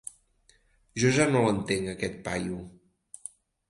Jo ja no l'entenc, aquest paio.